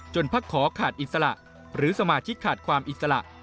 พักขอขาดอิสระหรือสมาชิกขาดความอิสระ